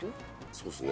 そうですね。